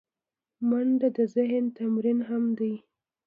منډه د ذهن تمرین هم دی